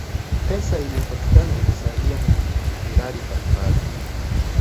pesa inayopatikana inasaidia miradi mbalimbali